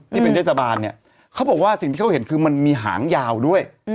ที่เป็นเทศบาลเนี่ยเขาบอกว่าสิ่งที่เขาเห็นคือมันมีหางยาวด้วย